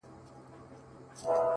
پر دې دُنیا سوځم پر هغه دُنیا هم سوځمه!